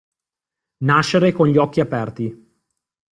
Nascere con gli occhi aperti.